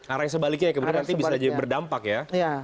arah yang sebaliknya ya kemudian nanti bisa berdampak ya